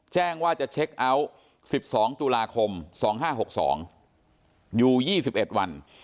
แจ้งว่าจะเช็คเอาท์๑๒ตุลาคม๒๕๖๒อยู่๒๑วัน